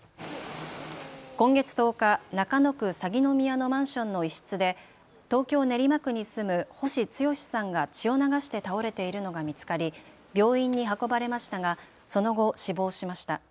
今月１０日、中野区鷺宮のマンションの一室で東京練馬区に住む星毅さんが血を流して倒れているのが見つかり、病院に運ばれましたがその後、死亡しました。